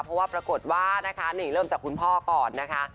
เพราะว่าปรากฏว่านะคะนี่เริ่มจากคุณพ่อก่อนนะคะ